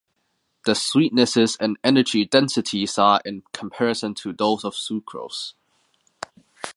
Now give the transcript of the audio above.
The sweetnesses and energy densities are in comparison to those of sucrose.